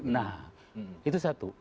nah itu satu